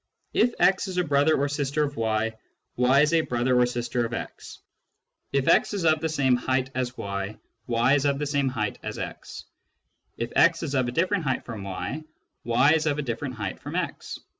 If x is a brother or sister of y, y is a brother or sister of x. If x is of the same height as y, y is of the same height as x. If x is of a different height from y, y is of a different height from x.